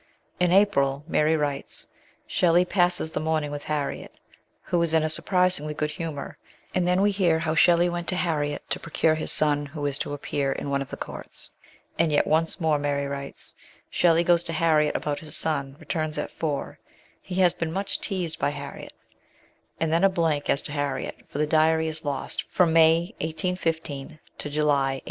In April, Mary writes, " Shelley passes the morning with Harriet, who is in a surprisingly good humour; " and then we hear how Shelley went to Harriet to procure his son who is to appear in one of the courts ; and yet once more Mary writes, " Shelley goes to Harriet about his son, returns at four ; he has been much teased by Harriet"; and then a blank as to Harriet, for the diary is lost from May 1815 to July 1816.